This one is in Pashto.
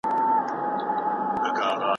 خپل تاريخ ولولئ او له تېروتنو زده کړه وکړئ.